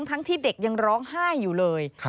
ทั้งที่เด็กยังร้องไห้อยู่เลย